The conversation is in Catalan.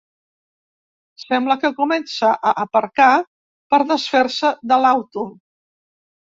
Sembla que comença a aparcar per desfer-se de l'auto.